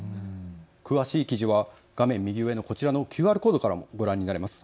詳しい記事は画面右上のこちらのＱＲコードからもご覧になれます。